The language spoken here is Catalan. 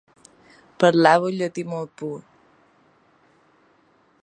Parlava un llatí molt pur.